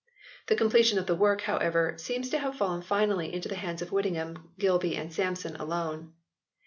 The completion of the work, however, seems to have fallen finally into the hands of Whittingham, Gilby and Sampson alone.